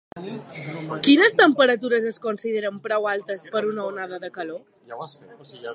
Quines temperatures es consideren prou altes per una onada de calor?